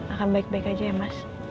akan baik baik aja ya mas